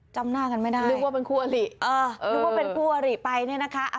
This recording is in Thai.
จำหน้ากันไม่ได้นึกว่าเป็นคู่อริเออนึกว่าเป็นคู่อริไปเนี่ยนะคะ